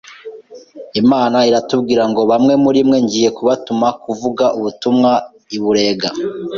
Imana iratubwira ngo bamwe muri mwe ngiye kubatuma kuvuga ubutumwa i Burega.